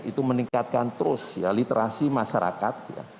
itu meningkatkan terus literasi masyarakat